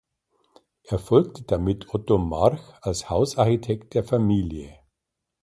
Er folgte damit Otto March als Hausarchitekt der Familie.